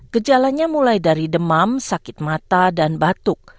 gejalanya mulai dari demam sakit mata dan batuk